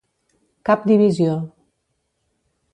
Cap divisió.